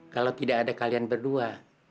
kalau tidak ada kalian berdua